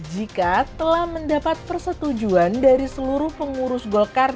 jika telah mendapat persetujuan dari seluruh pengurus golkar